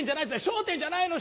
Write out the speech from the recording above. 「『笑点』じゃないの？